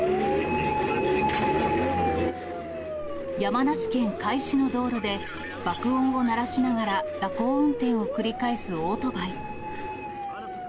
山梨県甲斐市の道路で、爆音を鳴らしながら、蛇行運転を繰り返すオートバイ。